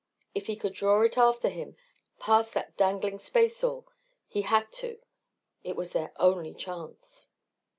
If he could draw it after him, past that dangling spaceall.... He had to it was their only chance.